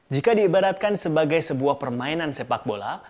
jika diibaratkan sebagai sebuah permainan sepak bola